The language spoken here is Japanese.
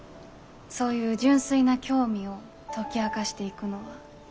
そういう純粋な興味を解き明かしていくのはとても楽しいです。